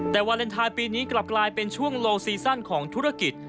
แต่วาเลนไทยปีนี้กลับกลายเป็นช่วงโลซีซั่นของธุรกิจ